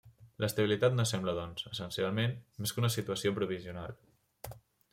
L'estabilitat no sembla doncs, essencialment, més que una situació provisional.